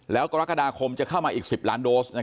แล้วกรกฎาคมจะเข้ามาอีก๑๐ล้านโดส